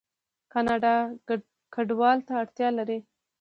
کاناډا کډوالو ته اړتیا لري.